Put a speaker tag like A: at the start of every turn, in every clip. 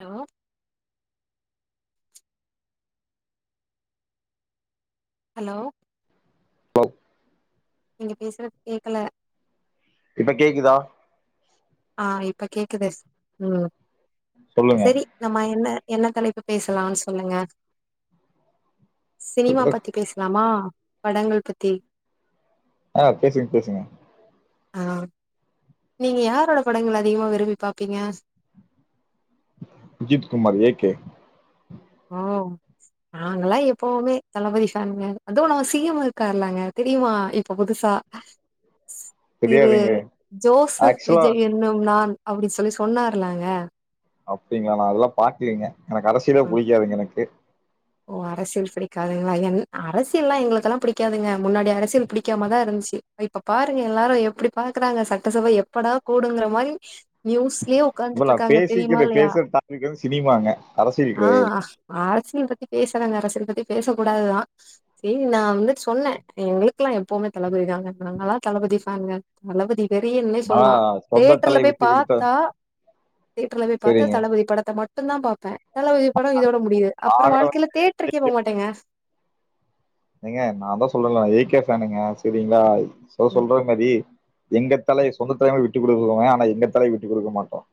A: Hello hello
B: [unintelligible]
A: நீங்க பேசுறது கேக்கல
B: இப்ப கேக்குதா
A: ஆ இப்ப கேக்குது ம்
B: சொல்லுங்க
A: செரி நம்ம என்ன என்ன தலைப்பு பேசலாம்னு சொல்லுங்க சினிமா பத்தி பேசலாமா படங்கள் பத்தி
B: ஆ பேசுங்க பேசுங்க
A: ஆ நீங்க யாரோட படங்கள் அதிகமா விரும்பி பாப்பீங்க
B: அஜித் குமார் ஏ கே
A: ஓ நாங்கல்லாம் எப்வுமே தளபதிஃனங்க அது உ ந சீயம் இருக்கார்ல்லாங்க தெரியுமா இப்ப புதுசா திரு
B: தெரியாதுங்களே
A: ஜோசப்
B: ஆக்சுவலா
A: விஜய் என்னும் நான் அப்டின்னு சொல்லி சொன்னார்லாங்க
B: அப்டிங்களா நான அதல்லாம் பாக்லாங்க எனக்கு அரசியலே
A: ஆ
B: புடிக்காதுங்க எனக்கு இட்
A: ஓ அரசியல் பிடிக்காதுங்களா என் அரசியல்லாம் எங்களுக்கெல்லாம் பிடிக்காதுங்க முன்னாடி அரசியல் பிடிக்காமாதான் இருந்துச்சு இப்ப பாருங்க எல்லாரும் எப்டி பாக்குறாங்க சட்டசபை எப்டா கூடுங்கிற மாரி நியூஸ்லயே உக்காந்துட்டு
B: இப்பநா
A: இருக்காங்க தெரியுமா
B: பேசிக்கிர
A: இல்லையா
B: பேஸ்ர டாப்பிக்வந்து சினிமாங்க அரசியல்கெடையாது
A: இந்த பேசுறாங்க அரசியல் பத்தி பேசக்கூடாதுதான் சரி நான் வந்து சொன்னேன் எங்களுக்கெல்லாம் எப்பவுமே தளபதி தாங்க நாங்காம் தளபதிஃப்பேன் பெரியண்ணனே
B: ஆ
A: சொல்லா
B: சொந்த
A: தேட்டர்ல
B: தலை
A: போய்
B: விட்டு கொடுத்தா
A: பாத்தா தேட்டர்ல போய் பாத்தா
B: சரிங்க
A: தளபதி படத்த மட்டும் ட்டுதான் பாப்பேன் தளபதி படம் இதோட முடியுது அப் அப்றம்
B: நாங்கள
A: வாழ்கையில தேட்ருக்கே போக மாட்டேங்க
B: எங்க நான் தான் சொல்ல வேய்ட்லாஸ் அனேங்க செரிங்களா சொ சொல்ற மதி எங்க தலை சொந்தத்னால விட்டு கொடுக்குரேங்க ஆனா எங்க தலைய விட்டு கொடுக்க மாட்டோம்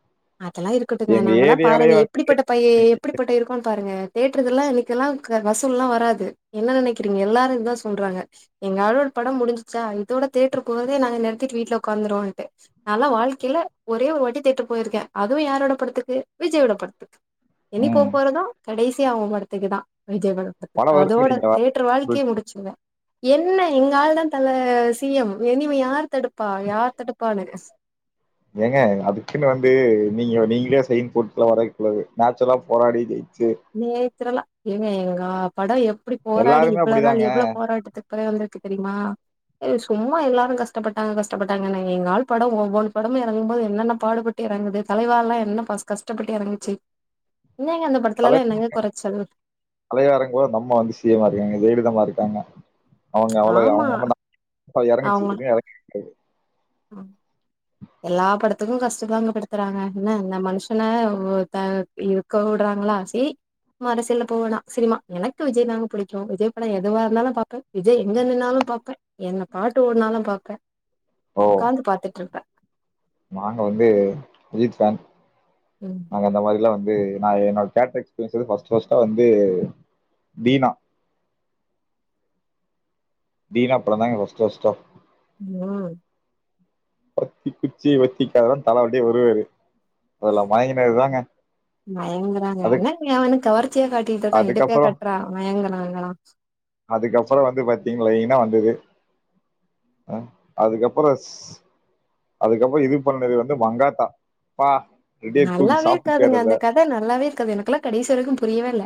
A: அதல்லாம் இருக்கட்டுங்க நாங்கயெல்லாம் பாருங்க
B: வந்து
A: எப்படிப்பட்ட பையன் எப்படிப்பட்ட இருக்கோன்னு பாருங்க தேடருதுெல்லாம் இதுக்கெல்லாம் க பஸ்லெல்லாம் வராது என்ன நினைக்கிறீங்க எல்லாரும் இத்தான் சொல்றாங்க எங்க ஆழோட படம் முடிஞ்சிசா இதோட தேட்டருக்குறதே நாங்கள் நிறத்திட்டு வீட்ல உட்காந்துருவேம்ட்டு நான்லா வாழ்கையில ஒரே ஒரு வாட்டி தேட்டரு போயிருக்கேன் அதுவும் யாரோட படத்துக்கு விஜயோட படத்துக்கு
B: ம்
A: என்னிக்கும் போறதும் கடைசிய அவன் படத்துக்கு தான் விஜய் படத்துக்கு
B: படம்
A: அதோட தேட்டர்
B: வருங்கிறீங்களா
A: வாழ்கையே முடிச்சுங்குவே என்ன எங்க ஆள்தான் தல சிஎம் இனிமே யார் தடுப் ப்பா யார்தடுப்பான் ஸ்
B: ஏங்க அதுக்குன்னு வந்து நீங்க நீங்களே சைன் போட்டுல வரவைக்கூடாது நேச்சுரலா போராடி ஜெய்
A: [inaudible] ஏங்க எங்கா படம் எப் இப்படி போராடி
B: எல்லாருமே
A: இவ்ள நாள்
B: அப்படிதாங்க.
A: எவ்ளோ போராட்டத்துக்கு வந்திருக்கு தெரியுமா சும்மா எல்லாரும் கஷ்டப்பட்டாங்க கஷ்டப்பட்டாங்க எங்க ஆல் படம் ஒவ்வொன்று படமும் இறங்கும்போது என்னென்ன பாடுபட்டு இறங்குது தலைவா எல்லாம் என்ன கஷ்டப்பட்டு இறங்குச்சுங்க இல்லைங்க
B: தலைவாங்க தலைவ எறங்கும் போது நம்ம அதிசய இருக்காங்க ஜெயலிதமா க்காங்க அவங்க அவளோ
A: ஆமா
B: அவ்வங்க பன்னங்க இறங்குச்சு
A: அவங்க
B: இன்னு இறது
A: இப்பாயும் கஷ்டத்தாங்க படுத்துறாங்க என்ன இந்த மனுஷன இருக்க விடுறாங்களா செரி அரசியல போவேனாம் சினிமா எனக்கு விஜய் தாங்க புடிக்கும் விஜய் படம் எதுவா இருந்தாலும் பாப்பேன் விஜய் எங்க நின்னாலும் பாப்பேன் என்ன பாட்டு ஓடுனாலும் பாப்பேன்
B: ஓ!
A: உட்காந்து பாத்துட்டு இருப்பேன்
B: நாங்க வந்து அஜித் ஃபேன்
A: ம்
B: நாங்க அந்த மாரில்லாம் வந்து இது நான் என்னோட எக்ஸ்பீரியன்லே ஃப்ஸ் ஃப்ஸ்ட வந்து தீனா தீனா பாடம் தாங்க பஸ்ட்டு பஸ்டா
A: ம்
B: வத்திகுச்சி வத்திக்காதெல்லாம் தலை அப்டியே வருவாரு அதெல்லாம் மயங்கினது தாங்க
A: மயங்குறாங்க
B: அதுக்கு
A: என்னதுக்கு கவர்ச்சியா காட்டிட்டு இருக்கான் இடுப்பையா
B: அதுக்கப்புறம்
A: கட்டுறான் மயங்கறாங்களாம்
B: அதுக்கப்புறம் வந்து பாத்தீங்களா லைனா வந்தது அதுக்கப்புறம் ஸ் அதுக்கப்பறம் இது பண்ணது வந்து மங்காத்தா ப்பா ரெடியா தூக்கி
A: நல்லாவே
B: சாப்பிட்டாரு
A: இருக்காதுங்க அந்த கத நல்லாவே இருக்காது எனக்குெல்லாம் கடைசி வரைக்கும் புரியவே இல்ல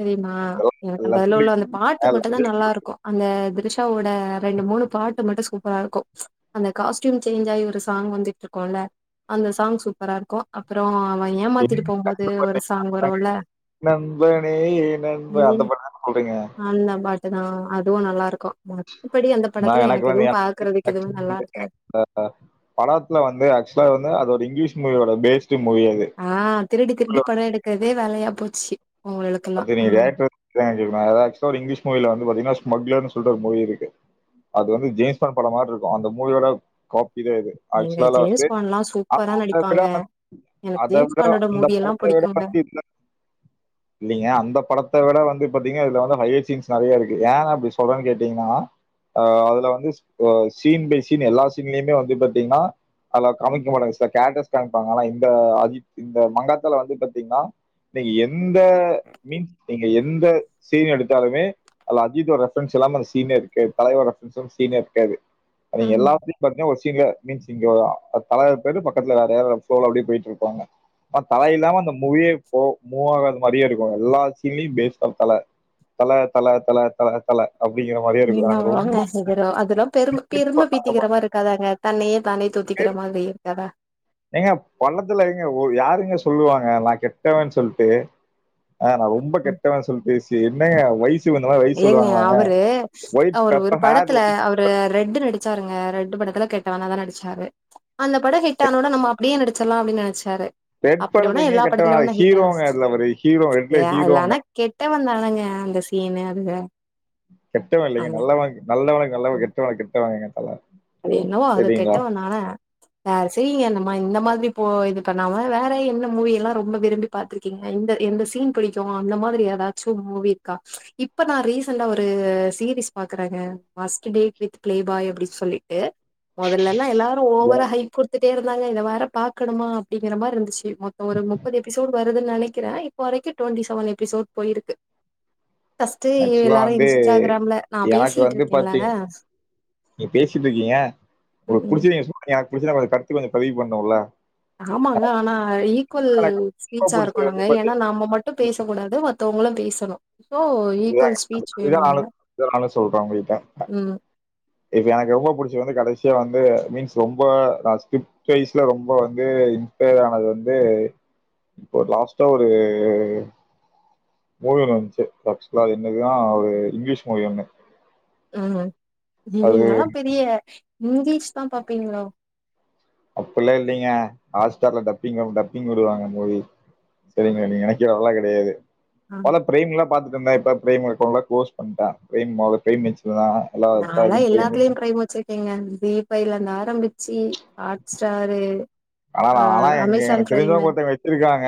A: தெரியுமா
B: அத
A: எனக்கு அதுல உள்ள அந்த பாட்டு மட்டும்தான் நல்லா இருக்கும் அந்த திருஷ் ஓட ரெண்டு மூணு பாட்டு மட்டும் க்கும் அந்த காஸ்ட்யூம் சேஞ்ச் ஆயி ஒரு சாங் வந்துட்டு இருக்கோம்ல அந்த சாங் சூ நல்லா இருக்கும் அப்பறம்
B: நண்பனே ஏ நண்ப அந்த பாட்டு புடிக்கும்
A: ம் ஆ அதுவும் நல்லா இருக்கும்
B: ம் ஆ எனக்கு வந்து என
A: பாக்குறதுக்கு எதுவு நல்லாருக்காது
B: படத்துல வந்து ஆக்சுவலா வந்து அது ஒரு இங்கிலீஷ் மூவி பேஸ்
A: ஆ திருடி திருடி படம் எடுக்கறதே வேலையாப் போச்சு அவங்களுக்கெல்லா
B: அப்டி
A: ஆ
B: நீங்க டேரக்டா இங்கிலீஷ் மூவில வந்து பாத்தீங்கன்னா ஸ்மக்லர் சொல்ற மூவி இருக்கு அது வந்து ஜெம்ஸ் பாண்டு படம் மாரி இருக்கும் அந்த மூவியோட காப்பி இது இது
A: எங்க
B: ஆக்சுவலால
A: ஜேம்ஸ்
B: வந்து
A: பாண்ட்லா சூப்பரா
B: அத விட
A: நடிப்பாங்க எனக்கு
B: அத
A: ஜேம்ஸ்
B: விட
A: பாண்டோட
B: அந்த
A: மூவி எல்லா
B: படத்தை விட
A: புடிக்குங்க
B: பத்தி இ இல்லைங்க அந்த படத்தை விட வந்து பார்த்தீங்க இதுல வந்து பயர் சீன்ஸ் நிறைய இருக்கு ஏன் அப்படி சொல்றேன்னு கேட்டீங்கன்னா அஹ் அதுல வந்து சீன் பை சீன் எல்லா சீன்லயுமே வந்து பார்த்தீங்கன்னா அது காமிக்க மாட்டாங்க கேரக்டர் காமிப்பாங்க ஆனா இந்த அஜித் இந்த மங்காத்தல வந்து பாத்தீங்கன்னாநீங்க எந்த மீன் நீங்க எந்த சீன் எடுத்தாலுமே அதுல அஜித்தோட ரெபரன்ஸ் இல்லாம அந்த சீனேஇருக்காது தலைவர் ரெபரனஸ் சீனே இருக்காது நீங்க
A: ம்
B: எல்லாத்துக்கு பாத்திங்க இல்ல மீன்ஸ் இங்க தெரு பக்கத்துல வேற ப்ளொவுல போய்ட்டிருப்பாங்க தல இல்லாம இந்த மூவியே மூவாகாத மாதிரி இருக்கு எல்லா சீன்லயும் பேஸ் தான் தலை தல தல தல தல
A: என்னதாங்க பிகரோ அதெல்லாம் பெரு மைபெருமை பீத்திக்கிற மாதிரி இருக்காதாங்க தன்னையே தானே தூத்திக்கிற
B: பேர்
A: மாரி இருக்காரா
B: ஏங்க பள்ளத்துல எங்க யாருங்க சொல்லுவாங்க நான் கெட்டவேன்னு சொல்லிட்டு ஆஹ் நான் ரொம்ப
A: ம்
B: கெட்டவன் சொல் பேசி என்னயா
A: ஏங்க அவரு
B: ஒயிட்
A: அவரு ஒரு
B: பெப்பர் ஹேர்
A: படத்துல
B: ஒயிட்
A: அவரு ரெட்டு நடிச்ச இதபாருங்க ரெட்டு படத்துல கேட்டவானா தான் நடிச்சாரு அந்த பட ஹிட் ஆனோட நம்ம அப்டியே நடிச்சிடலாம் அப்டின்னு நினைச்சாரு
B: ரெட் படத்துல எங்க கெட்டவன் ஹீரோங்க அதுல அவரு ரெட்ல ஹீரோங்க
A: எவ்ள நேரங்க அந்த சீனு இத
B: கெட்டவ இல்லைங்க நல்ல நல்ல வக்கு நல்லவ எத்து [inaudible] வாங்க தல
A: அது என்னவோ அத கெட்டவன் தான சரிங்க நம்ம ஆ இந்த மாரி இது பண்ணாம வேற என்ன மூவி எல்லாம் ரொம்ப விரும்பி பா்த்திருக்கீங்க இந்த எந்த சீன் பிடிக்கும் அந்த மாரி ஏதாச்சும் மூவி இருக்கா இப்ப நான் ரீசண்டா ஒரு சீரீஸ் பாக்குறேங்க பஸ்டு டே பிளே பாய் அப்டின்னு சொல்லி முதல்லல்ல எல்லாரும் ஓவர
B: எனக்கு
A: ஹய் கொடுத்துட்டே இருந்து நாங்க இந்த வாரம் பாக்கணுமா அப்படிங்கற மாதிரி இருந்துச்சு மொத்தம் ஒரு முப்பது எபிசோடு வருதுன்னாலே க்கிறேன் இப்போதைக்கு டுவெண்டி செவன் எபிசோட் போயிருக்கு பஸ்ட்
B: ஆக்சுவலா
A: எல்லாரும்
B: வந்து
A: இன்ஸ்டாகிராம்ல நான்
B: எனக்கு
A: பேசிட்டு
B: வந்து
A: இருக்கேன்ல்லங்க
B: பாத்தீங்க நீங்க பேசிட்டு இருக்கீங்க உங்களுக்கு புிடிச்சங்க சொல்லறீங்க என கத்து கொஞ்ச பதிவு பண்ணும்ல
A: ஆமாங்க ஆனா ஈக்குவல்
B: எனக்கு ரொம்ப
A: ஸ்பீச்சா
B: புடிச்சது வந்து
A: இருக்கணுங்க ஏன்னா
B: பாத்தீங்கன்னா
A: நம்ம மட்டும் பேச கூடாது மத்தவங்களும் பேசணும் ஸோ ஈக்குவல்
B: இல்லங்க
A: ஸ்பீச்
B: வெறும்
A: வேணுங்க.
B: ஆள புடிச்சிதுனு சொல்றேன் உங்க கிட்ட
A: ம்,
B: இப்ப எனக்கு ரொம்ப பிடிச்சி வந்து கடைசி வந்து மீன்ஸ் ரொம்ப நான் ஸ்கிரிப்ட் வைஸ்ல ரொம்ப வந்து இன்ஸ்பர் ஆனது வந்து இப்போ லாஸ்டா ஒரு மூவில வந்துச்சு ஆக்சுவலா அது இன்னக்கித்தான் ஒரு இங்கிலீஷ் மூவி ஒண்ணு
A: உஹம்
B: அது
A: நீங்களா பெரிய இங்கிலீஷ் தான் பாப்பீங்களோ?
B: அப்பல்லாம் இல்லைங்க ஹாட்ஸ்டார்ல டப்பிங் டப்பிங் விடுவாங்க மோடி செரிங்களா நினைக்கிறலா க முடையது
A: ஆ
B: பல பிரேம்ல பாத்துட்டு இருந்தா போஸ் பண்ணட்டா [inaudible]
A: நான்லா எல்லாத்துலேயும் ப்ரைம் வச்சிருக்கேங்க தீப இல்லந்து ஆரம்பித்து அ
B: ஆனா எங்க
A: அமேசான்
B: எனக்கு
A: ப்ரைமு
B: தெரிஞ்சவங்க கொத்தன் வச்சிருக்காங்க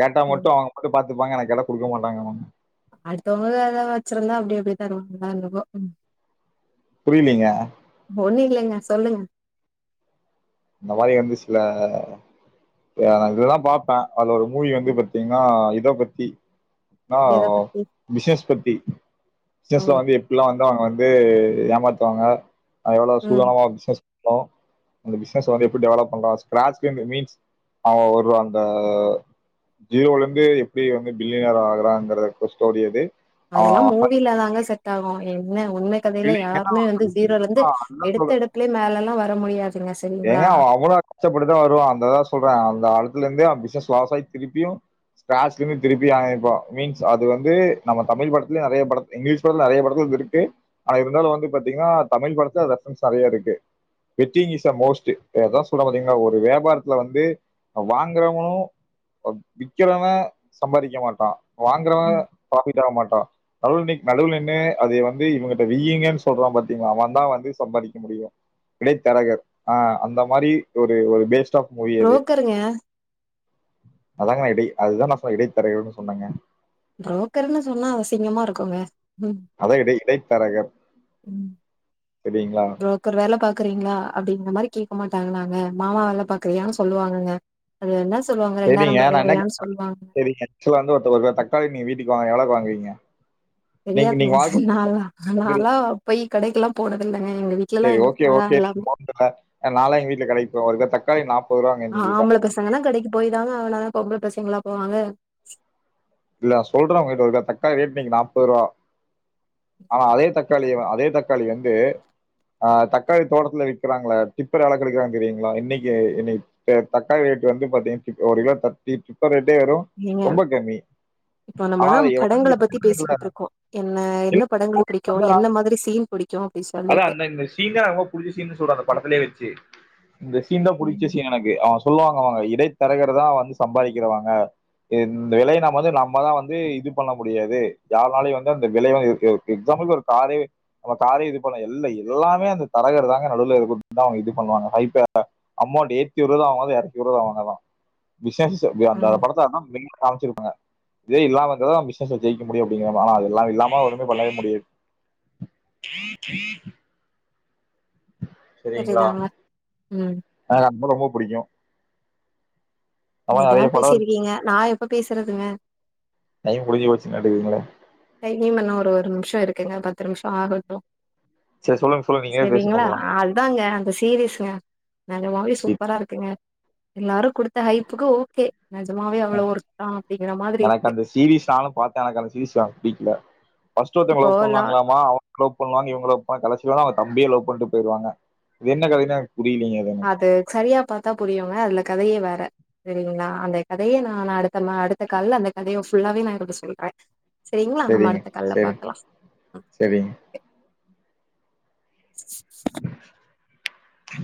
B: கேட்டா
A: ம்.
B: மட்டும் அவங்க மட்டும் பார்த்த கொடுப்பாங்க எனக்கு கேட்டா கொடுக்க மாட்டாங்க கம்மு
A: அடுத்தவங்க அதான் வச்சிருந்தா அப்படி அப்படியே தருவாங்கதான் என்னப்போ
B: புரியலீங்க
A: ஓண்ணலைங்க சொல்லுங்க
B: இந்த மாதிரி வந்து சிலான் இதுல்லாம் பார்ப்பேன் அது ஒரு மூவி வந்து
A: ம்.
B: பாாரத்தீங்கன்னா உபத்தி ன
A: எத பத்தி?
B: பிசினஸ் பத்தி
A: ஓ!
B: பிசினஸ்ல வந்து எப்படல்லாம் வந்து வங்க வந்து ஏமாத்துவாங்க அவ்வள
A: ம்.
B: சூதனமாபிசினஸ் ஹலோ பிஸி ந்து எப்டி டெவலப் பண்ணறஸ்கந்து மீன்ஸ் அவ அந்த ஜீரோல இருந்து எப்டி வந்து பில்யனர் ஆகுறாங்கிறது ஸ்டோரி அது
A: அதெல்லாம்
B: அவன்
A: மூவில தாங்க செட் ஆகும் ம் என் உண்ம கதையில
B: இல்லைங்க
A: யாருமே வந்து ஜீரோல இருந்து
B: அதான்
A: எடுத்த
B: சொல்றேன்
A: எடுப்புலயே லயே மேல எல்லாம் வர முடியாதுங்க சரிங்களா
B: ஏங்க அவளோம் கஷ்டப்பட்டுதான் வருவான் அந்ததான் சொல்றேன் அதுல இருந்து பிசினஸ் லாஸ் ஆகி திருப்பியும் ஸ்க்ராட்ச்ல இருந்து திருப்பி ஆரம்பிப்பான் மீன்ஸ் நம்ம தமிழ் படத்திலும் நறியப்படத்துல இங்கிலீஷ் படத்திலும் நறியப்படத்துல இருக்கு இருந்தாலும் பாத்தீங்களா தமிழ் படத்துல ரெஃபரன்ஸ் அதிகமா இருக்கு மோசட் சொல்ற பாத்தீா ஒரு வியாபாரத்துல வந்து வாங்குறவனும் விக்கிறவ சம்பாதிக்க மாட்டான் வாங்கறவன்
A: ம்.
B: ப்ரோபட் ஆக மாட்டான் நடு நடுவில் நின்னு அத வந்து இவங்க வியுங்கன்னு சொல்றான் பாத்தீங்களா அவன் தான் வந்து சம்பாதிக்க முடியும் இடை தரகர் ஆ அந்த மாரி ஒரு ஒரு பேஷ
A: புரோக்கருங்க
B: அதாங்க நான் இடை அதுதான் நான் சொன்ன இடைத்தரன்னு சொன்னேங்க
A: புரோக்கர்ன்னு சொன்னா அசிங்கமா இருக்குங்க ம்
B: அதா இடை இடைத்தரகர்
A: ம்
B: சரிங்களா
A: புரோக்கர் வேல பாக்குறீங்களா அப்டிங்கற மாரி கேட்க மாட்டாங்கன்னாங்க மாமா வேல பாக்குறியான்னு சொல்லுவாங்க அது என்ன சொல்லுவாங்க ரெண்டா
B: செரிங்க
A: நம்பர்
B: நான
A: வேறயான்னு
B: என்னேன்
A: சொல்லுவாங்க
B: செரி ஆக்சுவலா வந்து க நீ வீட்டு வாங்க எவலோக்கு வாங்குவீங்க நீங்க
A: தெரியாதுங்க
B: நீங்க வாழ்க்கை
A: நாலா
B: வாங்குறீங்க
A: நாளா போய் கெடைக்கெல்லாம் போடதில்லங்க எங்க வீட்
B: செரி ஓகே ஓகே நால வீட்டுல கிடைக்கு போவேன் ஒரு தக்காளி நாற்
A: ஆ ஆம்பள பேசாங்கன்னா கடைக்கு போய்தாக ஆகணும் பொம்பல பசங்க ங்களா போவாங்க
B: இல்ல சொல்றேன் உங்கிட்ட ஒரு தக்காளி ரேட்டு இன்னைக்கு நாப்ப ரூபா ஆனா அதே தக்காளி அதே தக்காளி வந்து ஆ தக்காளி தோட்டத்துல விற்கிறாங்கள டிப்பர் வேல கெடுக்கறாங்க தெரியுங்களா இன்னைக்கு இன்னைக்கு தக்காளி ரேட வந்து பாத்தீங்க ஒரு கிலோி ப்பர் ரே [unintelligible] வரும்
A: நீங்க
B: ரொம்ப கம்மி
A: இப்போ நம்ம
B: ஆனா அதை
A: படங்கள
B: வாங்கி
A: பத்தி
B: தின்னதுல
A: பேசிக்கிட்டு இருக்கோம் என்ன என்ன படங்க பிடிக்கும் என்ன மாரி சீன் புடி [inaudible]
B: அதான் அந்த சீன் ரொம்ப புடிச்ச சீன் சொல்றன் அந்த படத்திலயே வச்சு இந்த சீன் தான் புடிச்ச
A: ம்.
B: சீன் எனக்கு ஹான் சொல்லுவாங்க அவங்க இடை திறகிறதான் வந்து சம்பாதிக்கிறவாங்க இந்த விலைய நம வந்து நம்மதான் வந்து இது பண்ண முடியாது யாருனால வந்து அந்த விலை எாம்பிள் ஒரு காரே நம்ம காரே எல்ல எல்லாமே அந்த தரகர் தாங்க நடுவுல இருக்கான் அவங்க இது பண்ணுவாங்க ஹைப்பா அமௌண்ட் ஏத்தி வருறுதான் வாங்கது இறக்கி வருதா வாங்கதான் விசேஷ அந்த
A: ம்
B: படத்த அதான் மெயின்ஹா காமிச்ச இதே இல்லாமங்கிற பிசினஸ்ல ஜெயிக்க முடியும் அப்டிங்கிற ஆனா அது எல்லாம் இல்லாம ஒமே பண்ணவே முடியாது ரிம் சரிங்களா
A: சரிதாங்க. ம்
B: என ரம்ப ரொம்ப பிடிக்கும் அந்த மாதிரி நிறைய
A: நீங்கலாம்
B: படம் இருக்கு
A: பேசிருக்கீங்க நான் எப்ப பேசுறதுங்க
B: டையம் முடிஞ்சு போச்சுலாட்டுக்கு மேடம்
A: இன்னும் பன்னா ஒரு ஒரு நிமிஷம் இருக்குங்க பத்து நிமிஷம் ஆகட்டும்
B: சரி சொல்லுங்க சொல்லுங்க நீங்களே பேசுங்க
A: சரிங்களா
B: போலாம்
A: அதுதாங்க அந்த சீரியஸ் ஷா நல்ல மாழி சூப்பரா இருக்குங்க எல்லாரும் கொடுத்த ஹைப்புக்கு ஓகே நிஜமாவே அவ்வளவு ஒருத்தா அப்புடிங்கிற மாதிரி
B: எனக்கு
A: இருக்கு
B: வீடீடுலா பஸ்ட் ஒருத்தவங்கள
A: இப்போ
B: லவ்
A: லா
B: பண்ணுனங்களாம அவுங்க லவ் பண்ணுறாங்க இவுங்க லவ் பண்ணுறாங்க கடைசில அவ தம்பியா லவ் பண்ணிட்டு போயிவாங்க இது என்ன கதன்னு
A: அது சரியா பார்த்தா புரியவங்க அதுல கதையே வேற சரிங்களா அந்த கதையை நான் அடுன் நம்ம அடுத்த கால அந்த கதையோ புல்லாவே நா [unintelligible] சொல்றேன் சரிங்களா நம்ம
B: சரிங்க
A: அடுத்த கால்ல
B: சரி
A: பாக்கலாம்
B: சரிங்க
A: ச்சு
B: ஹா